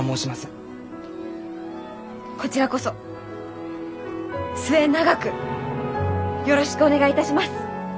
こちらこそ末永くよろしくお願いいたします！